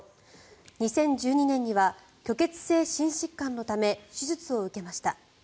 ２０１２年には虚血性心疾患のため手術を受けました。